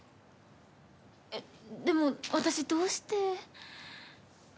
えっでも私どうして？